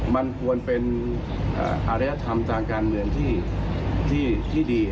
มันควรเป็นอารยธรรมทางการเมืองที่ดี